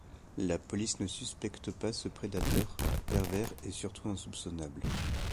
La police ne suspecte pas ce prédateur, pervers et surtout insoupçonnable.